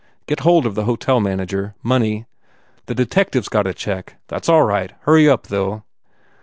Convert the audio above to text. Get hold of the hotel man ager. Money " "The detective s got a check. That s all right. Hurry up, though."